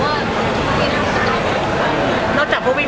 ไม่ได้เจอในคุณหรอก